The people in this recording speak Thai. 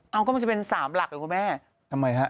เอาก็มันจะเป็นสามหลักเหรอคุณแม่ทำไมฮะ